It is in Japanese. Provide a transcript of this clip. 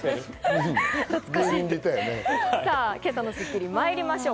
今朝の『スッキリ』にまいりましょう。